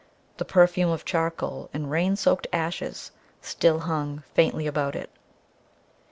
The perfume of charcoal and rain soaked ashes still hung faintly about it.